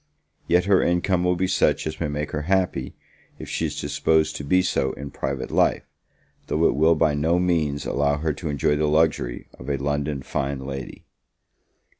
Yet her income will be such as may make her happy, if she is disposed to be so in private life; though it will by no means allow her to enjoy the luxury of a London fine lady.